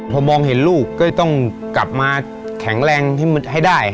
พอมองเห็นลูกก็ต้องกลับมาแข็งแรงให้ได้